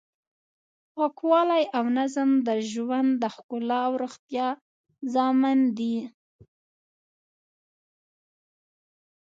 پاکوالی او نظم د ژوند د ښکلا او روغتیا ضامن دی.